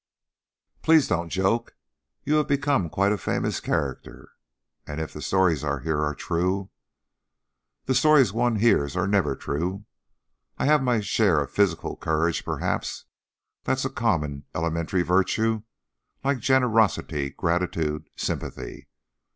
"Please don't joke. You have become quite a famous character, and if the stories I hear are true " "The stories one hears are never true. I have my share of physical courage, perhaps; that's a common, elementary virtue, like generosity, gratitude, sympathy.